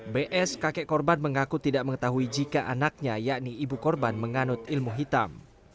bs kakek korban mengaku tidak mengetahui jika anaknya yakni ibu korban menganut ilmu hitam